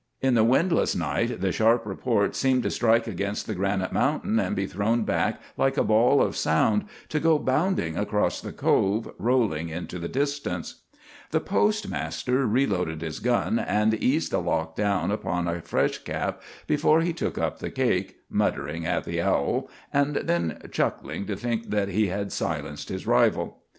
In the windless night the sharp report seemed to strike against the granite mountain and be thrown back like a ball of sound, to go bounding across the Cove, rolling into the distance. The postmaster reloaded his gun and eased the lock down upon a fresh cap before he took up the cake, muttering at the owl, and then chuckling to think that he had silenced his rival.